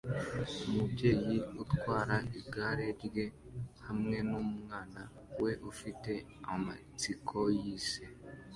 Umubyeyi atwara igare rye hamwe numwana we ufite amatsiko yisi